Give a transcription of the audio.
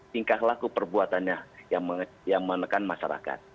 tingkah laku perbuatannya yang menekan masyarakat